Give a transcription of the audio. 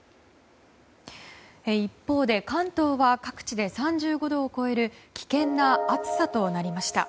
一方で、関東は各地で３５度を超える危険な暑さとなりました。